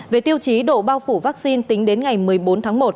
về tiêu chí độ bao phủ vaccine tính đến ngày một mươi bốn tháng một